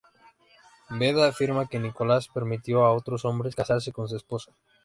Beda afirma que Nicolás permitió a otros hombres casarse con su esposa.